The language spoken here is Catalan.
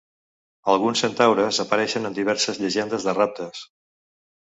Alguns centaures apareixen en diverses llegendes de raptes.